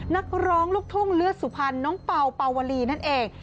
นักร้องลูกทุ่งเลือดสุพันต์น้องเป่าเรนนั่นเอง